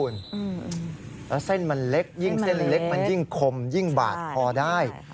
แล้วเส้นมันเล็กยิ่งเส้นเล็กมันยิ่งคมยิ่งบาดคอได้